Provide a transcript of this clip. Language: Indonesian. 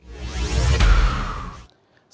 jendral febriana bandung